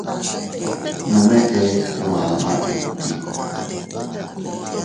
Nome eku ama iti.